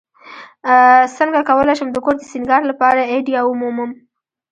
uڅنګه کولی شم د کور د سینګار لپاره آئیډیا ومومم